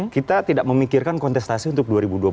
kita tidak memikirkan kontestasi untuk dua ribu dua puluh